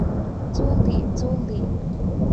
জলদি, জলদি।